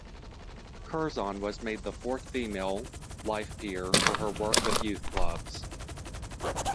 Curzon was made the fourth female life peer for her work with youth clubs.